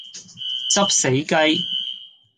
執死雞